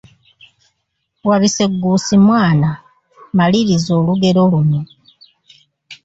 Wabisegguusi mwana, maliriza olugero luno.